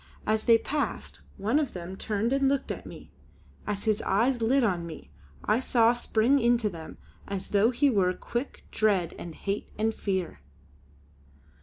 As they passed, one of them turned and looked at me. As his eyes lit on me, I saw spring into them, as though he were quick, dread, and hate, and fear.